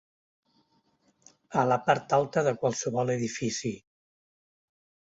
A la part alta de qualsevol edifici.